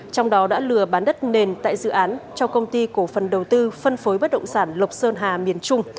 trong đó đã lừa bán đất nền tại dự án cho công ty cổ phần đầu tư phân phối bất động sản lộc sơn hà miền trung